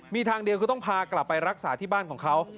มีทางเดียวคือต้องพากลับไปรักษาที่บ้านของเขา